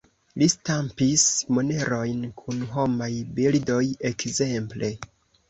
Li stampis monerojn kun homaj bildoj, ekzemple.